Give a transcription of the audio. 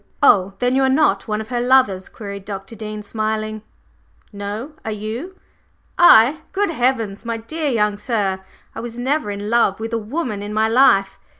"Oh, then you are not one of her lovers?" queried Dr. Dean smiling. "No; are you?" "I? Good heavens, my dear young sir, I was never in love with a woman in my life!